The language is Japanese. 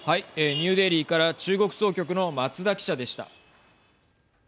ニューデリーから中国総局の松田記者でした。